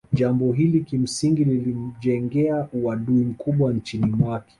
Jambo hili kimsingi ilimjengea uadui mkubwa nchini mwake